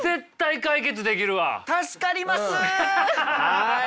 はい。